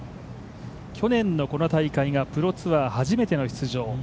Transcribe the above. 去年のこの大会がプロツアー初めての出場。